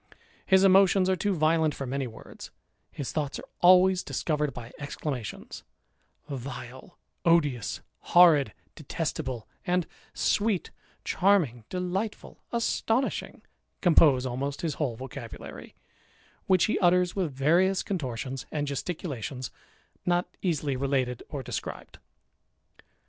His emotions are too violent for many words ; his thoughts are always discovered by exclamations, Vile^ odious^ horridy detestable^ and sweety charming^ delighijul, astonishing, compose almost his whole vocabulary, which he utters with various contortions and gesticulations not easily related or described.